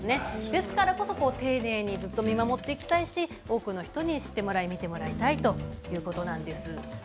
ですからこそ丁寧に見守っていきたいし多くの人に知って、見てもらいたいということなんです。